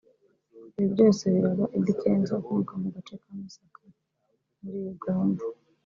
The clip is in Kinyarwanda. Ibi byose biraba Eddy Kenzo ukomoka mu gace ka Masaka muri Uganda